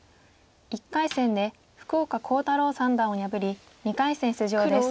１回戦で福岡航太朗三段を破り２回戦出場です。